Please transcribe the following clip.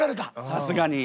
さすがに？